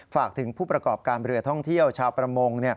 ฝากถึงผู้ประกอบการเรือท่องเที่ยวชาวประมง